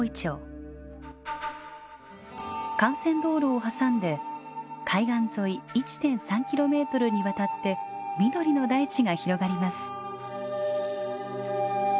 幹線道路を挟んで海岸沿い１．３キロメートルにわたって緑の大地が広がります。